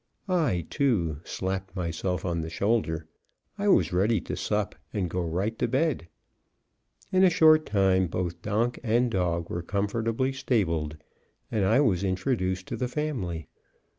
I, too, slapped myself on the shoulder; I was ready to sup and go right to bed. In a short time both donk and dog were comfortably stabled, and I was introduced to the family.